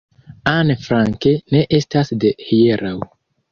Anne Frank ne estas de hieraŭ.